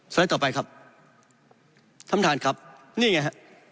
คล้ายต่อไปครับทำทานครับนี่ไงครับ